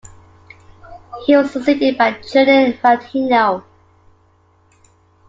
He was succeeded by Julian Fantino.